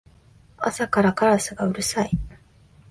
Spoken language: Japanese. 朝からカラスがうるさい